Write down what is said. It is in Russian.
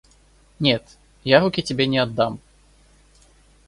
Нет, я руки тебе не отдам.